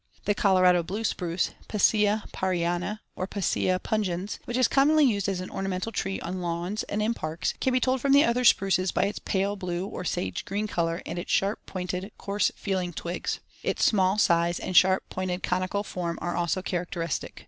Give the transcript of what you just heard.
The Colorado blue spruce (Picea parryana or Picea pungens) which is commonly used as an ornamental tree on lawns and in parks, can be told from the other spruces by its pale blue or sage green color and its sharp pointed, coarse feeling twigs. Its small size and sharp pointed conical form are also characteristic.